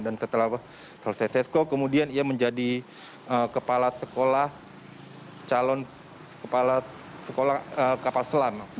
dan setelah selesai sesko kemudian ia menjadi kepala sekolah calon kepala sekolah kapal selam